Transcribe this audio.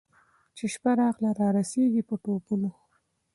چي شپه راغله رارسېږي په ټوپونو